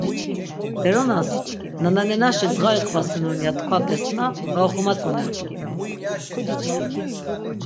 Beronas, nananenaşi ndğa iqvasinon ya t̆kvat̆esna, var oxomatzonert̆u.